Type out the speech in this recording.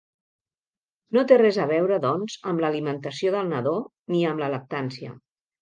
No té res a veure doncs amb l'alimentació del nadó ni amb la lactància.